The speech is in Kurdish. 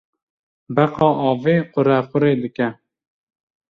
Beqa avê qurequrê dike.